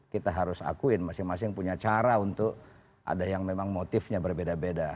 kita harus akuin masing masing punya cara untuk ada yang memang motifnya berbeda beda